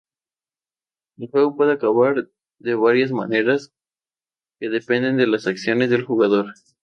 El juego puede acabar de varias maneras que dependen de las acciones del jugador.